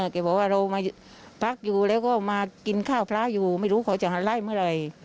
แกบอกว่าเรามาพักอยู่แล้วก็มากินข้าวพระอยู่ไม่รู้เขาจะไล่เมื่อไหร่